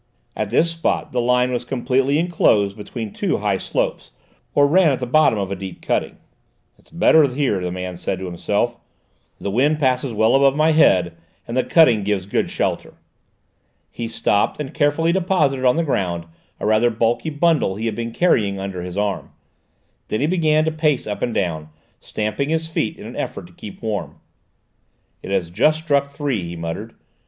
At this spot the line was completely enclosed between two high slopes, or ran at the bottom of a deep cutting. "It's better here," the man said to himself; "the wind passes well above my head, and the cutting gives good shelter." He stopped and carefully deposited on the ground a rather bulky bundle he had been carrying under his arm; then he began to pace up and down, stamping his feet in an effort to keep warm. "It has just struck three," he muttered.